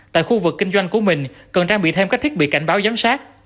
tại khu vực kinh doanh của mình cần trang bị thêm các thiết bị cảnh báo giám sát